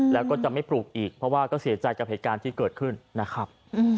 แล้วก็จะไม่ปลูกอีกเพราะว่าก็เสียใจกับเหตุการณ์ที่เกิดขึ้นนะครับ